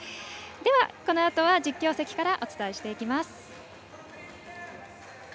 ではこのあとは実況席からお伝えしていきます。